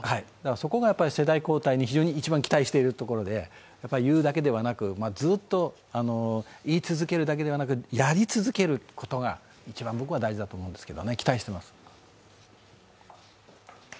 そこが世代交代で一番期待しているところで、言うだけではなく、ずっと言い続けるだけではなくやり続けることが一番僕は大事だと思うんですけど。